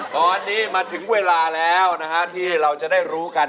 ตอนนี้มาถึงเวลาแล้วนะฮะที่เราจะได้รู้กัน